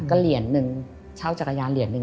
ก็เหรียญหนึ่งเช่าจักรยานเหรียญหนึ่ง